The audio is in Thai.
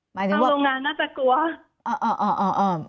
หมายถึงว่าอ่าวโรงงานน่าจะกลัวอ่าวอ่าวอ่าว